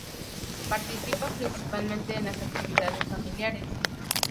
Participan principalmente en las actividades familiares.